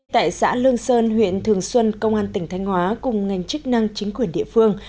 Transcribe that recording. tại xã lương sơn huyện thường xuân công an tỉnh thanh hóa cùng ngành chức năng chính quyền địa phương